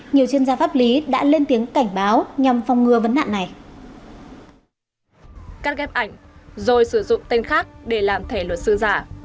nhiều chuyên gia pháp lý đã lên tiếng cảnh báo nhằm phòng ngừa vấn đạn này